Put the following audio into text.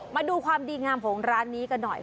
มาดูความดีงามของร้านนี้กันหน่อย